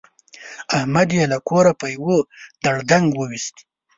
احمد يې له کوره په يوه دړدنګ ویوست.